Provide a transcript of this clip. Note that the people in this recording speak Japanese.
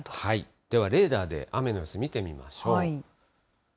では、レーダーで雨の様子を見てみましょう。